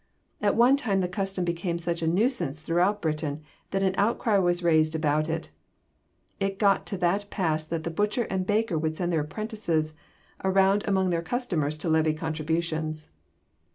At one time the custom became such a nuisance throughout Britain that an outcry was raised about it. It got to that pass that the butcher and baker would send their apprentices around among their customers to levy contributions.